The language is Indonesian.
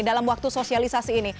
dalam waktu sosialisasi ini